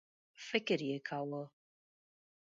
فکر یې کاوه.